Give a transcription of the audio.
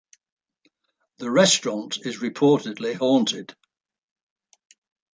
The restaurant is reportedly haunted.